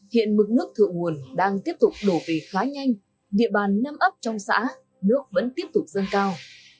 hiện mực nước thượng nguồn đang tiếp tục đổ về khá nhanh địa bàn nam ấp trong xã nước vẫn tiếp tục dâng cao